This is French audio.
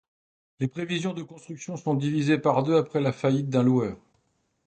Les prévisions de constructions sont divisées par deux après la faillite d'un loueur.